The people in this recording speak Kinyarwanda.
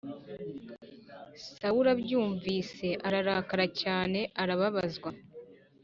Sawuli abyumvise ararakara cyane ababazwa